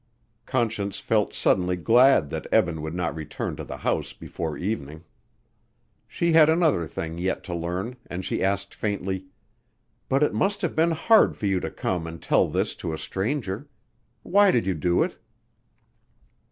Conscience felt suddenly glad that Eben would not return to the house before evening. She had another thing yet to learn and she asked faintly, "But it must have been hard for you to come and tell this to a stranger. Why did you do it?"